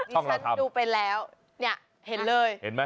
ดิฉันดูไปแล้วเนี่ยเห็นเลยเห็นไหม